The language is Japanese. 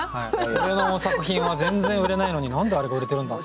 俺の作品は全然売れないのに何であれが売れてるんだって。